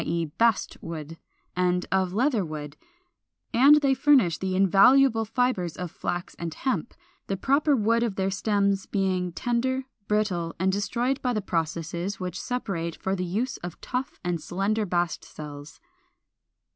e. Bast wood) and of Leatherwood; and they furnish the invaluable fibres of flax and hemp; the proper wood of their stems being tender, brittle, and destroyed by the processes which separate for use the tough and slender bast cells.